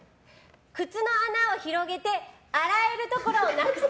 靴の穴を広げて洗えるところをなくす！